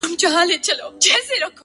له مودو وروسته يې کرم او خرابات وکړ ـ